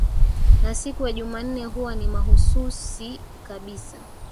na siku ya jumanne huwa ni mahususi kabisa